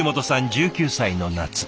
１９歳の夏。